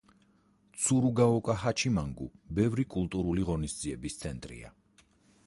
ცურუგაოკა ჰაჩიმანგუ ბევრი კულტურული ღონისძიების ცენტრია.